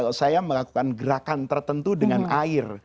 kalau saya melakukan gerakan tertentu dengan air